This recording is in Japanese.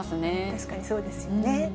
確かにそうですよね。